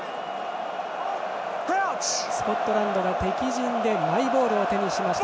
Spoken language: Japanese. スコットランドが敵陣でマイボールを手にしました。